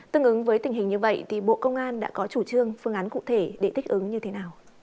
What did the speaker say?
tương ứng với tình hình như vậy thì bộ công an đã có chủ trương phương án cụ thể để thích ứng như thế nào